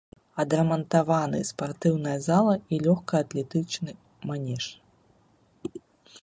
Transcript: Адрамантаваны спартыўная зала і лёгкаатлетычны манеж.